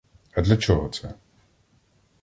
А для чого це?